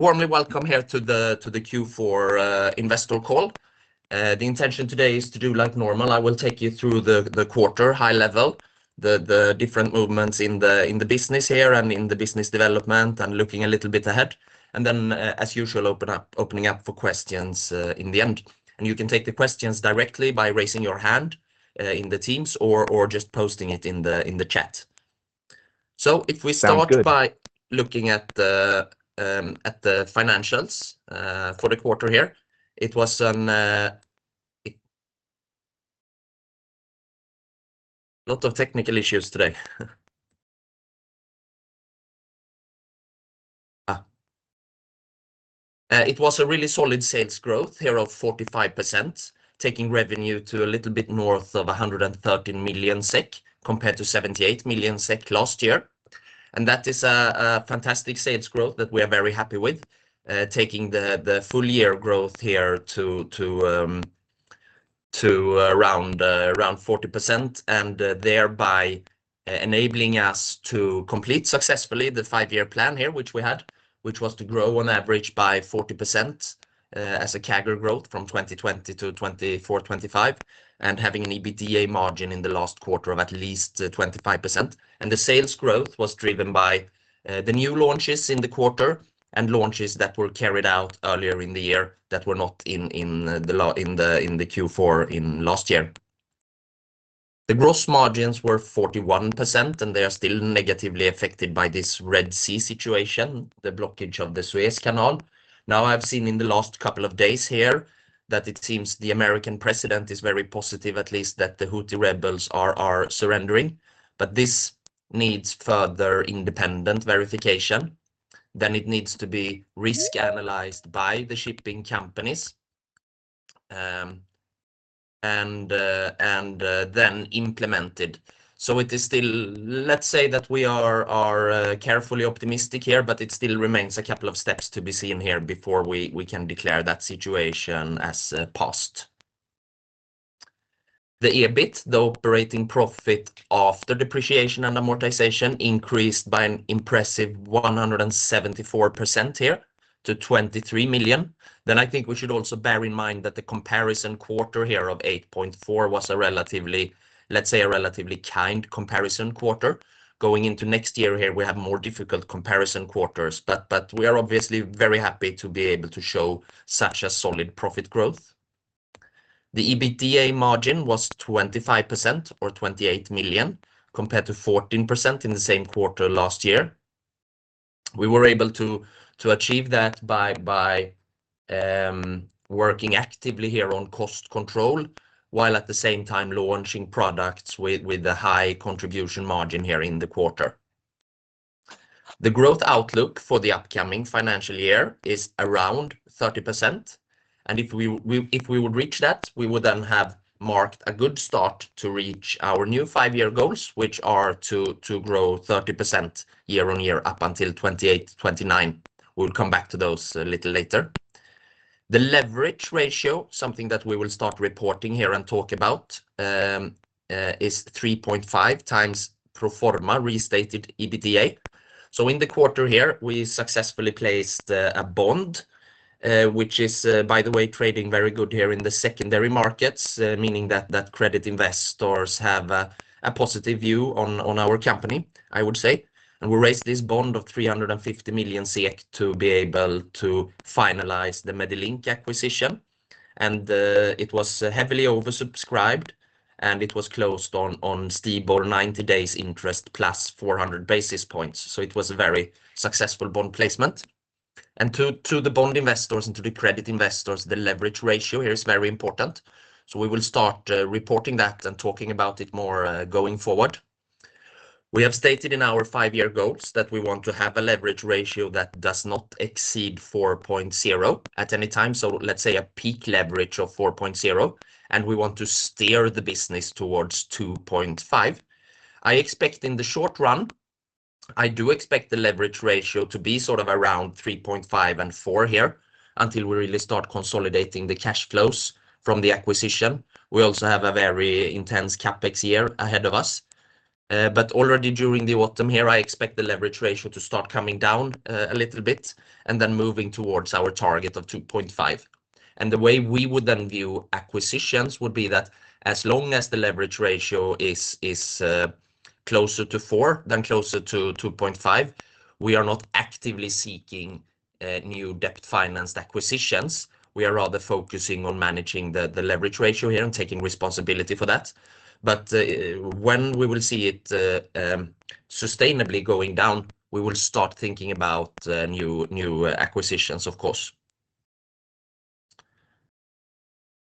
Warmly welcome here to the Q4 investor call. The intention today is to do like normal. I will take you through the quarter, high level, the different movements in the business here and in the business development and looking a little bit ahead. As usual, opening up for questions in the end. You can take the questions directly by raising your hand in Teams or just posting it in the chat. If we start by looking at the financials for the quarter here, it was a lot of technical issues today. It was a really solid sales growth here of 45%, taking revenue to a little bit north of 113 million SEK compared to 78 million SEK last year. That is a fantastic sales growth that we are very happy with, taking the full year growth here to around 40% and thereby enabling us to complete successfully the five-year plan here, which we had, which was to grow on average by 40% as a CAGR growth from 2020 to 2024-2025 and having an EBITDA margin in the last quarter of at least 25%. The sales growth was driven by the new launches in the quarter and launches that were carried out earlier in the year that were not in the Q4 last year. The gross margins were 41%, and they are still negatively affected by this Red Sea situation, the blockage of the Suez Canal. Now, I have seen in the last couple of days here that it seems the American president is very positive, at least that the Houthi rebels are surrendering. This needs further independent verification. It needs to be risk-analyzed by the shipping companies and then implemented. We are carefully optimistic here, but it still remains a couple of steps to be seen before we can declare that situation as passed. The EBIT, the operating profit after depreciation and amortization, increased by an impressive 174% to 23 million. I think we should also bear in mind that the comparison quarter of 8.4 million was a relatively kind comparison quarter. Going into next year, we have more difficult comparison quarters, but we are obviously very happy to be able to show such a solid profit growth. The EBITDA margin was 25% or 28 million compared to 14% in the same quarter last year. We were able to achieve that by working actively here on cost control while at the same time launching products with a high contribution margin here in the quarter. The growth outlook for the upcoming financial year is around 30%. If we would reach that, we would then have marked a good start to reach our new five-year goals, which are to grow 30% year on year up until 2028-2029. We will come back to those a little later. The leverage ratio, something that we will start reporting here and talk about, is 3.5 times pro forma restated EBITDA. In the quarter here, we successfully placed a bond, which is, by the way, trading very good here in the secondary markets, meaning that credit investors have a positive view on our company, I would say. We raised this bond of 350 million SEK to be able to finalize the Medilink acquisition. It was heavily oversubscribed, and it was closed on STIBOR 90 days interest plus 400 basis points. It was a very successful bond placement. To the bond investors and to the credit investors, the leverage ratio here is very important. We will start reporting that and talking about it more going forward. We have stated in our five-year goals that we want to have a leverage ratio that does not exceed 4.0 at any time. Let's say a peak leverage of 4.0, and we want to steer the business towards 2.5. I expect in the short run, I do expect the leverage ratio to be sort of around 3.5 and 4 here until we really start consolidating the cash flows from the acquisition. We also have a very intense CapEx year ahead of us. Already during the autumn here, I expect the leverage ratio to start coming down a little bit and then moving towards our target of 2.5. The way we would then view acquisitions would be that as long as the leverage ratio is closer to 4 than closer to 2.5, we are not actively seeking new debt-financed acquisitions. We are rather focusing on managing the leverage ratio here and taking responsibility for that. When we will see it sustainably going down, we will start thinking about new acquisitions, of course.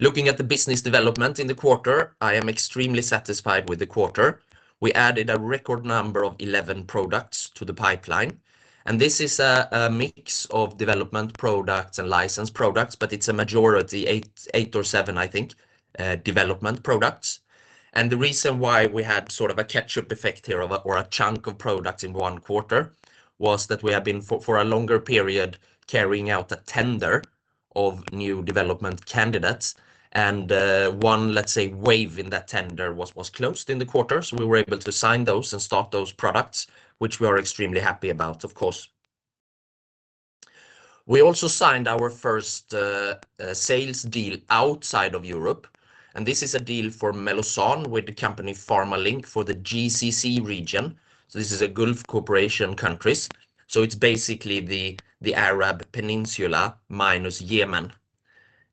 Looking at the business development in the quarter, I am extremely satisfied with the quarter. We added a record number of 11 products to the pipeline. This is a mix of development products and license products, but it's a majority, eight or seven, I think, development products. The reason why we had sort of a catch-up effect here or a chunk of products in one quarter was that we have been for a longer period carrying out a tender of new development candidates. One, let's say, wave in that tender was closed in the quarter. We were able to sign those and start those products, which we are extremely happy about, of course. We also signed our first sales deal outside of Europe. This is a deal for Meluson with the company Pharma Link for the GCC region. This is Gulf Cooperation Council countries. It's basically the Arab Peninsula minus Yemen.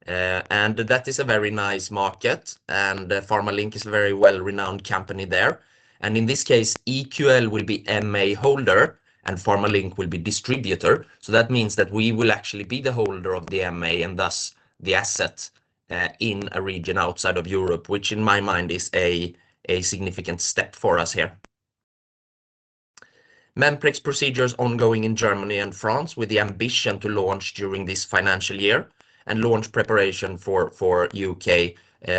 That is a very nice market. Pharma Link is a very well-renowned company there. In this case, EQL will be MA holder and Pharma Link will be distributor. That means that we will actually be the holder of the MA and thus the asset in a region outside of Europe, which in my mind is a significant step for us here. Memprex procedures ongoing in Germany and France with the ambition to launch during this financial year and launch preparation for the U.K.,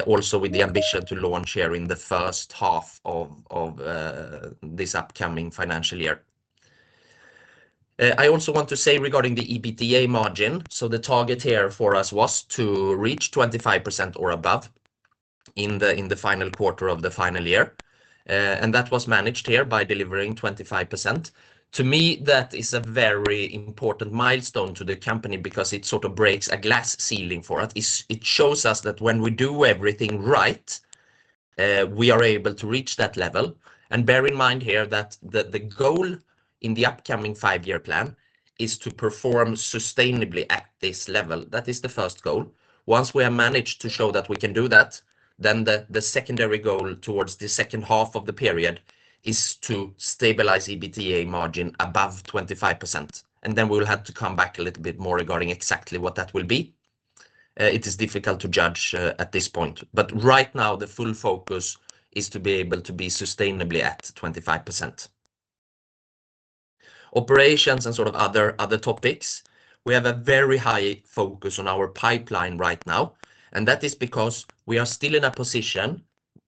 also with the ambition to launch here in the first half of this upcoming financial year. I also want to say regarding the EBITDA margin. The target here for us was to reach 25% or above in the final quarter of the final year. That was managed here by delivering 25%. To me, that is a very important milestone to the company because it sort of breaks a glass ceiling for us. It shows us that when we do everything right, we are able to reach that level. Bear in mind here that the goal in the upcoming five-year plan is to perform sustainably at this level. That is the first goal. Once we have managed to show that we can do that, the secondary goal towards the second half of the period is to stabilize EBITDA margin above 25%. We will have to come back a little bit more regarding exactly what that will be. It is difficult to judge at this point. Right now, the full focus is to be able to be sustainably at 25%. Operations and sort of other topics. We have a very high focus on our pipeline right now. That is because we are still in a position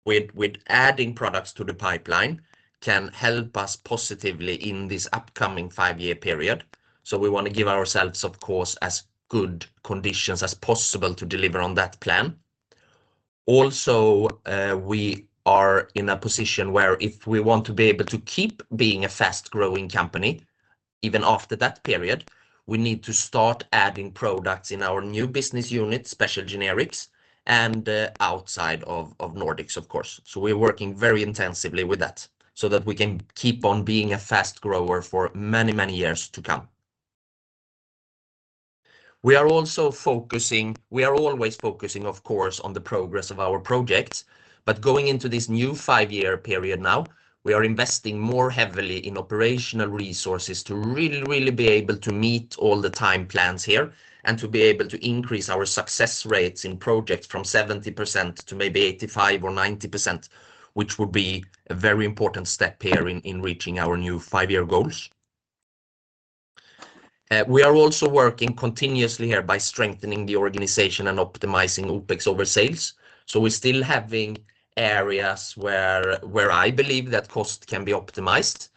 with adding products to the pipeline can help us positively in this upcoming five-year period. We want to give ourselves, of course, as good conditions as possible to deliver on that plan. Also, we are in a position where if we want to be able to keep being a fast-growing company, even after that period, we need to start adding products in our new business unit, special generics, and outside of Nordics, of course. We are working very intensively with that so that we can keep on being a fast grower for many, many years to come. We are also focusing, we are always focusing, of course, on the progress of our projects. Going into this new five-year period now, we are investing more heavily in operational resources to really, really be able to meet all the time plans here and to be able to increase our success rates in projects from 70% to maybe 85% or 90%, which would be a very important step here in reaching our new five-year goals. We are also working continuously here by strengthening the organization and optimizing OPEX over sales. We're still having areas where I believe that cost can be optimized,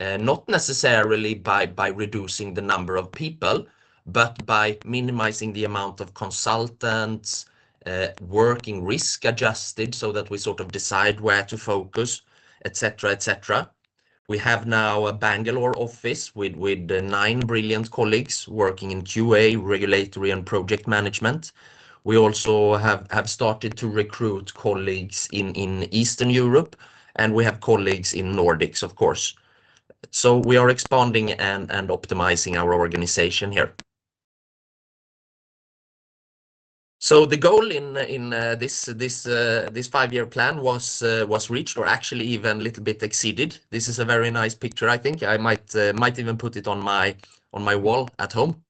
not necessarily by reducing the number of people, but by minimizing the amount of consultants working risk-adjusted so that we sort of decide where to focus, etc., etc. We have now a Bangalore office with nine brilliant colleagues working in QA, regulatory, and project management. We also have started to recruit colleagues in Eastern Europe, and we have colleagues in Nordics, of course. We are expanding and optimizing our organization here. The goal in this five-year plan was reached or actually even a little bit exceeded. This is a very nice picture. I think I might even put it on my wall at home.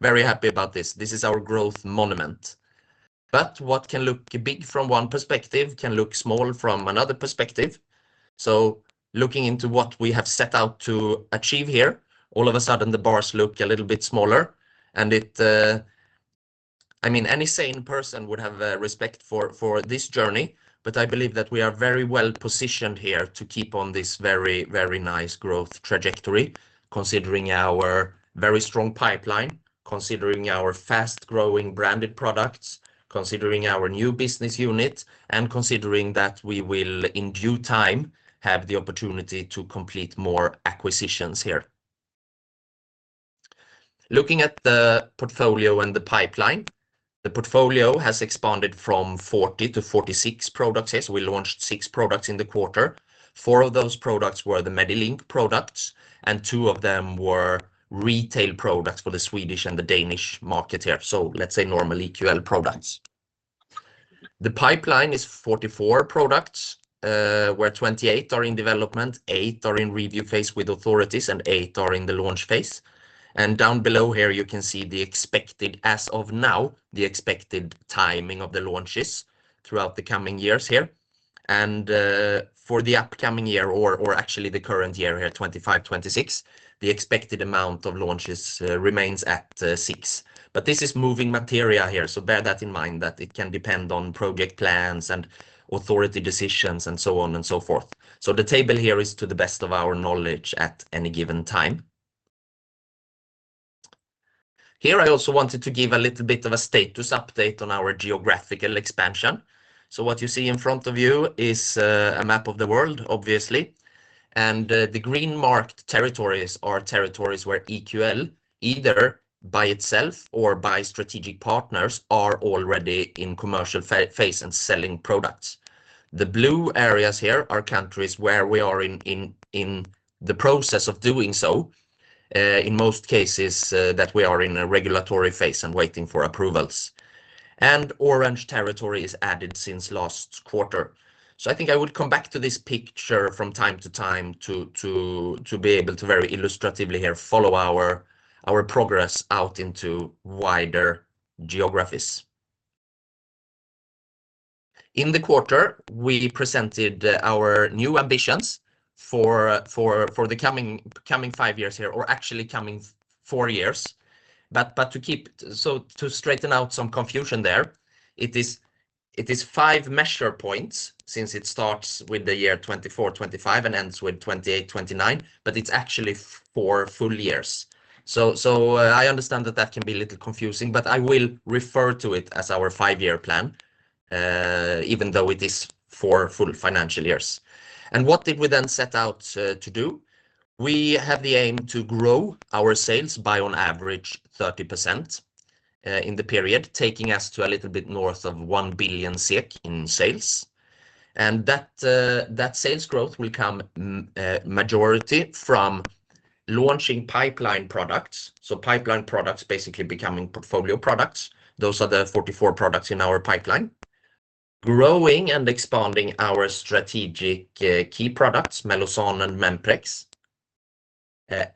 Very happy about this. This is our growth monument. What can look big from one perspective can look small from another perspective. Looking into what we have set out to achieve here, all of a sudden, the bars look a little bit smaller. I mean, any sane person would have respect for this journey. I believe that we are very well positioned here to keep on this very nice growth trajectory, considering our very strong pipeline, considering our fast-growing branded products, considering our new business unit, and considering that we will, in due time, have the opportunity to complete more acquisitions here. Looking at the portfolio and the pipeline, the portfolio has expanded from 40-46 products. We launched six products in the quarter. Four of those products were the Medilink products, and two of them were retail products for the Swedish and the Danish market here. Let's say normal EQL products. The pipeline is 44 products, where 28 are in development, 8 are in review phase with authorities, and 8 are in the launch phase. Down below here, you can see the expected as of now, the expected timing of the launches throughout the coming years here. For the upcoming year, or actually the current year here, 2025-2026, the expected amount of launches remains at six. This is moving materia here. Bear that in mind that it can depend on project plans and authority decisions and so on and so forth. The table here is to the best of our knowledge at any given time. I also wanted to give a little bit of a status update on our geographical expansion. What you see in front of you is a map of the world, obviously. The green-marked territories are territories where EQL, either by itself or by strategic partners, are already in commercial phase and selling products. The blue areas here are countries where we are in the process of doing so, in most cases, that we are in a regulatory phase and waiting for approvals. Orange territory is added since last quarter. I think I would come back to this picture from time to time to be able to very illustratively here follow our progress out into wider geographies. In the quarter, we presented our new ambitions for the coming five years here, or actually coming four years. To straighten out some confusion there, it is five measure points since it starts with the year 2024-2025 and ends with 2028-2029, but it is actually four full years. I understand that that can be a little confusing, but I will refer to it as our five-year plan, even though it is four full financial years. What did we then set out to do? We have the aim to grow our sales by on average 30% in the period, taking us to a little bit north of 1 billion SEK in sales. That sales growth will come majority from launching pipeline products. Pipeline products basically becoming portfolio products. Those are the 44 products in our pipeline. Growing and expanding our strategic key products, Meluson and Memprex.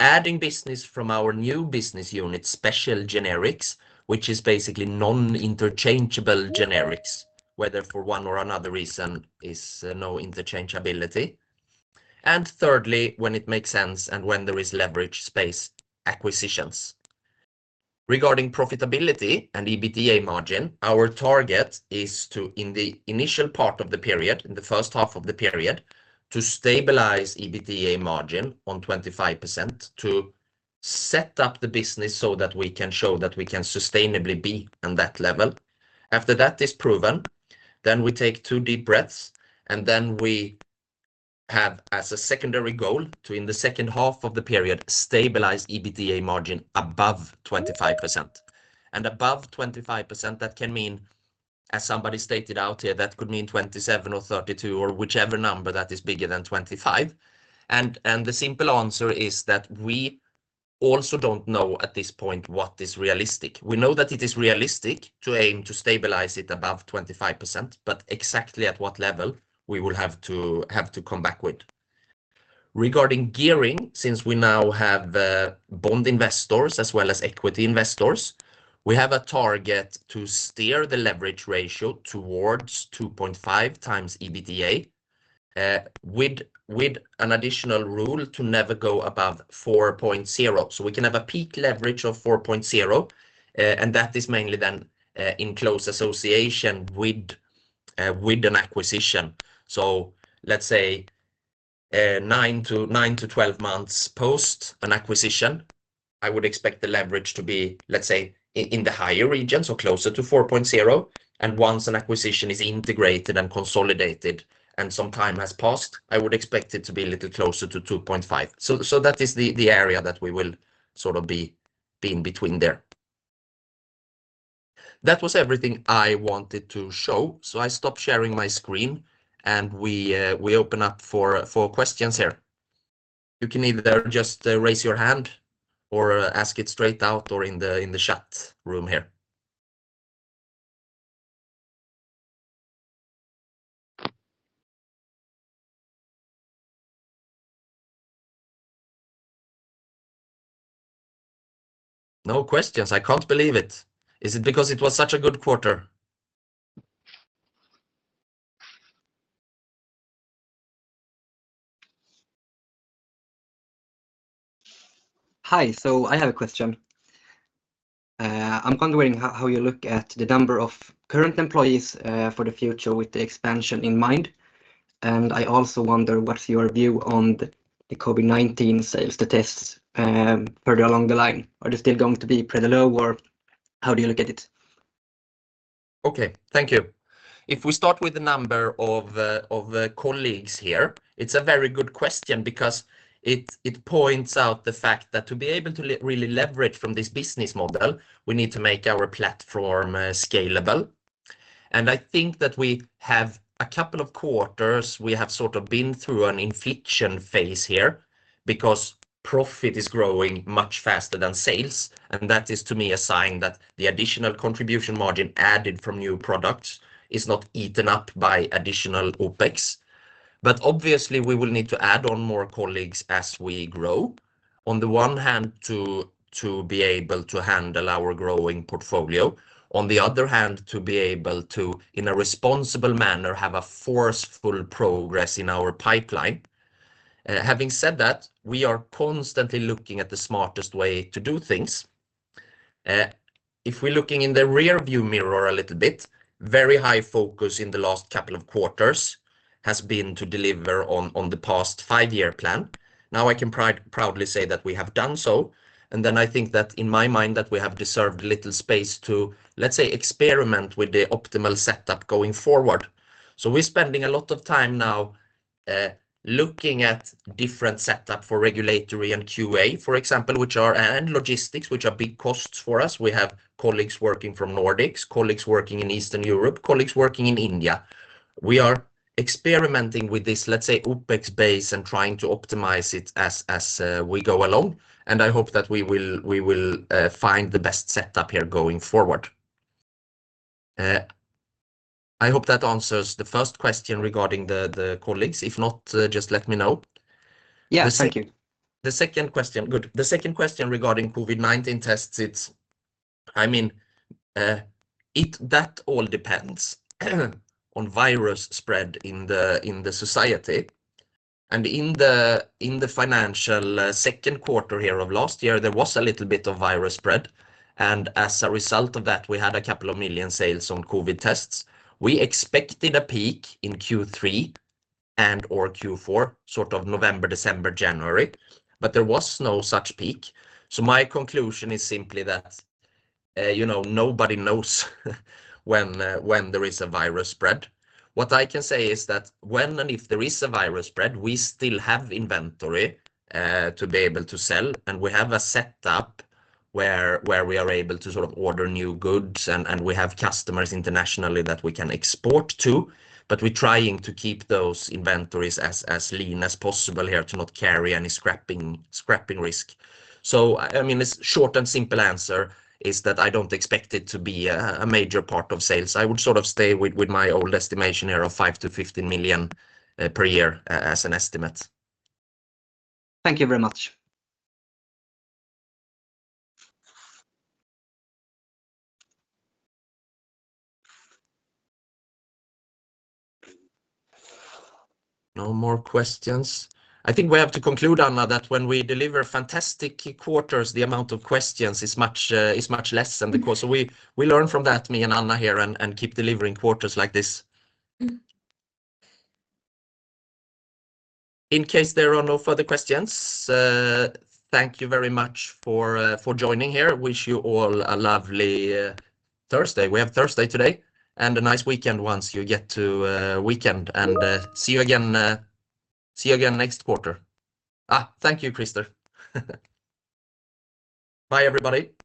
Adding business from our new business unit, special generics, which is basically non-interchangeable generics, whether for one or another reason is no interchangeability. Thirdly, when it makes sense and when there is leverage space, acquisitions. Regarding profitability and EBITDA margin, our target is to, in the initial part of the period, in the first half of the period, to stabilize EBITDA margin on 25% to set up the business so that we can show that we can sustainably be on that level. After that is proven, then we take two deep breaths, and then we have as a secondary goal to, in the second half of the period, stabilize EBITDA margin above 25%. Above 25%, that can mean, as somebody stated out here, that could mean 27% or 32% or whichever number that is bigger than 25%. The simple answer is that we also do not know at this point what is realistic. We know that it is realistic to aim to stabilize it above 25%, but exactly at what level we will have to come back with. Regarding gearing, since we now have bond investors as well as equity investors, we have a target to steer the leverage ratio towards 2.5 times EBITDA with an additional rule to never go above 4.0. We can have a peak leverage of 4.0, and that is mainly then in close association with an acquisition. Let's say 9-12 months post an acquisition, I would expect the leverage to be, let's say, in the higher regions or closer to 4.0. Once an acquisition is integrated and consolidated and some time has passed, I would expect it to be a little closer to 2.5. That is the area that we will sort of be in between there. That was everything I wanted to show. I stopped sharing my screen, and we open up for questions here. You can either just raise your hand or ask it straight out or in the chat room here. No questions? I can't believe it. Is it because it was such a good quarter? Hi. I have a question. I'm wondering how you look at the number of current employees for the future with the expansion in mind. I also wonder what's your view on the COVID-19 sales statistics further along the line. Are they still going to be pretty low, or how do you look at it? Okay. Thank you. If we start with the number of colleagues here, it's a very good question because it points out the fact that to be able to really leverage from this business model, we need to make our platform scalable. I think that we have a couple of quarters we have sort of been through an inflation phase here because profit is growing much faster than sales. That is, to me, a sign that the additional contribution margin added from new products is not eaten up by additional OPEX. Obviously, we will need to add on more colleagues as we grow, on the one hand, to be able to handle our growing portfolio, on the other hand, to be able to, in a responsible manner, have a forceful progress in our pipeline. Having said that, we are constantly looking at the smartest way to do things. If we're looking in the rearview mirror a little bit, very high focus in the last couple of quarters has been to deliver on the past five-year plan. Now I can proudly say that we have done so. I think that in my mind that we have deserved a little space to, let's say, experiment with the optimal setup going forward. We're spending a lot of time now looking at different setups for regulatory and QA, for example, and logistics, which are big costs for us. We have colleagues working from Nordics, colleagues working in Eastern Europe, colleagues working in India. We are experimenting with this, let's say, OPEX base and trying to optimize it as we go along. I hope that we will find the best setup here going forward. I hope that answers the first question regarding the colleagues. If not, just let me know. Yeah, thank you. The second question. Good. The second question regarding COVID-19 tests, I mean, that all depends on virus spread in the society. In the financial second quarter here of last year, there was a little bit of virus spread. As a result of that, we had a couple of million SEK sales on COVID-19 tests. We expected a peak in Q3 and/or Q4, sort of November, December, January, but there was no such peak. My conclusion is simply that nobody knows when there is a virus spread. What I can say is that when and if there is a virus spread, we still have inventory to be able to sell. We have a setup where we are able to sort of order new goods, and we have customers internationally that we can export to. We are trying to keep those inventories as lean as possible here to not carry any scrapping risk. I mean, the short and simple answer is that I do not expect it to be a major part of sales. I would sort of stay with my old estimation here of 5 million-15 million per year as an estimate. Thank you very much. No more questions. I think we have to conclude, Anna, that when we deliver fantastic quarters, the amount of questions is much less than the course. We learn from that, me and Anna here, and keep delivering quarters like this. In case there are no further questions, thank you very much for joining here. Wish you all a lovely Thursday. We have Thursday today and a nice weekend once you get to weekend. See you again next quarter. Thank you, Christer. Bye, everybody.